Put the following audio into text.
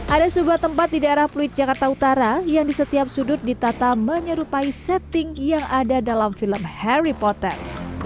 ada sebuah tempat di daerah pluit jakarta utara yang di setiap sudut ditata menyerupai setting yang ada dalam film harry potter